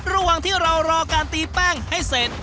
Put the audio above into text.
ระหว่างที่เรารอการตีแป้งให้เสร็จ